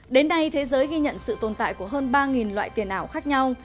đến nay thế giới ghi nhận sự tồn tại của hơn ba loại tiền ảo khác nhau